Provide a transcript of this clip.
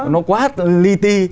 nó quá ly ti